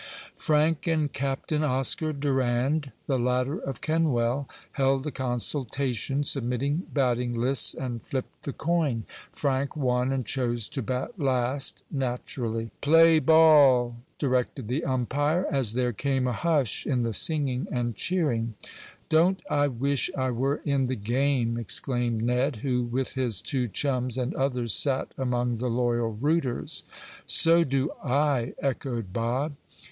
Frank and Captain Oscar Durand, the latter of Kenwell, held a consultation, submitted batting lists, and flipped the coin. Frank won and chose to bat last, naturally. "Play ball!" directed the umpire, as there came a hush in the singing and cheering. "Don't I wish I were in the game!" exclaimed Ned, who with his two chums and others sat among the loyal rooters. "So do I," echoed Bob.